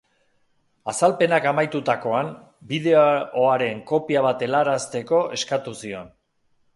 Azalpenak amaitutakoan, bideoaren kopia bat helarazteko eskatu zion.